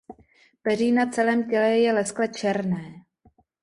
Peří na celém těle je leskle černé.